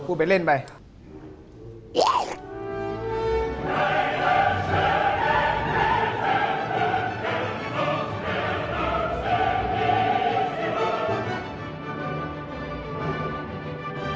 พูดไปเล่นบ้าง